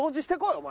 お前。